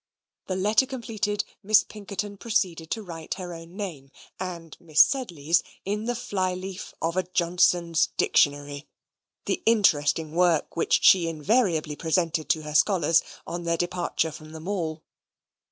This letter completed, Miss Pinkerton proceeded to write her own name, and Miss Sedley's, in the fly leaf of a Johnson's Dictionary the interesting work which she invariably presented to her scholars, on their departure from the Mall.